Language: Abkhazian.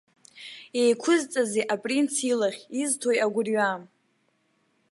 Иеиқәзҵазеи апринц илахь, изҭои агәырҩа?